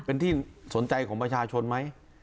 เป็นที่สนใจของประชาชนไหม